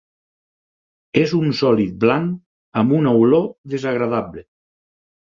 És un sòlid blanc amb una olor desagradable.